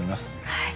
はい。